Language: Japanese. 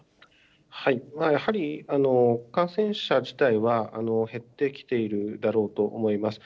やはり感染者自体は減ってきているだろうと思います。